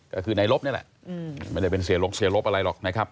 ก็คือในลบนี่แหละไม่ได้เป็นเสียลบเสียรบอะไรหรอกนะครับ